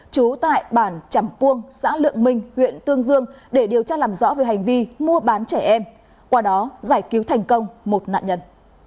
trú tại bản chẳng puông xã lượng minh huyện tương dương để điều tra làm rõ về hành vi mua bán trẻ em qua đó giải cứu thành công một nạn nhân